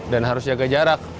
dan harus jaga jarak